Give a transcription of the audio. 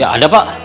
ya ada pak